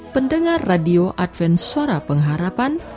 pendengar radio advent suara pengharapan